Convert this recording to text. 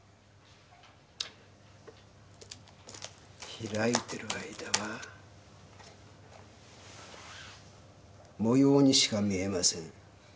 開いてる間は模様にしか見えません。